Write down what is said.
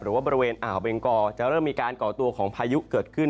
บริเวณอ่าวเบงกอจะเริ่มมีการก่อตัวของพายุเกิดขึ้น